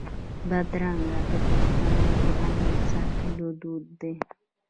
بدرګه د پښتنو د امنیت ساتلو دود دی.